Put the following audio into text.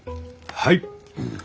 はい！